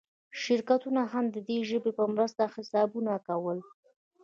شرکتونه هم د دې ژبې په مرسته حسابونه کول.